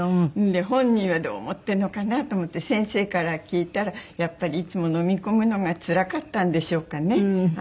で本人はどう思ってるのかなと思って先生から聞いたらやっぱりいつも飲み込むのがつらかったんでしょうかね。